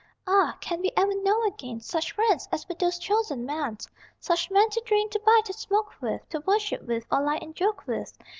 Ah, can we ever know again Such friends as were those chosen men, Such men to drink, to bike, to smoke with, To worship with, or lie and joke with?